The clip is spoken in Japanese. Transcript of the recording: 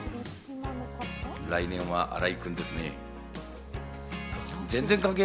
来年は新井君ですね。